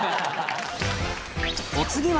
お次は